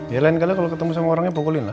ya lain kali kalau ketemu sama orangnya pukulin lah